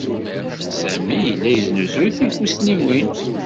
Sami yella yesnuzuy tikkussniwin.